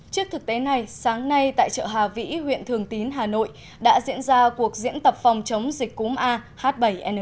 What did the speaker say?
trước thực tế này sáng nay tại chợ hà vĩ huyện thường tín hà nội đã diễn ra cuộc diễn tập phòng chống dịch cúng a h bảy n một